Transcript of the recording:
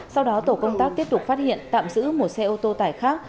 sau đó tổ công tác tiếp tục phát hiện tạm giữ một xe ô tô tải khác